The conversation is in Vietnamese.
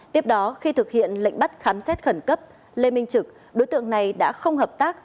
tiếp đó khi thực hiện lệnh bắt khám xét khẩn cấp lê minh trực đối tượng này đã không hợp tác